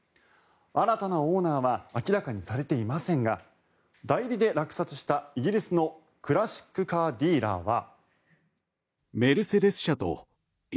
新たなオーナーは明らかにされていませんが代理で落札したイギリスのクラシックカーディーラーは。